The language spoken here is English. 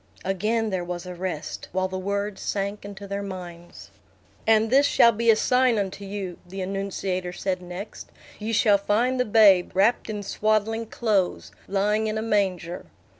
Again there was a rest, while the words sank into their minds. "And this shall be a sign unto you," the annunciator said next. "Ye shall find the babe, wrapped in swaddling clothes, lying in a manger."